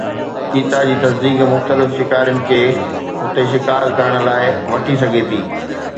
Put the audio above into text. چيتا جي تصديق مختلف شڪارين کي هتي شڪار ڪرڻ لاءِ وٺي سگهي ٿي